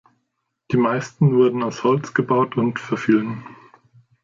Die meisten wurden aus Holz gebaut und verfielen.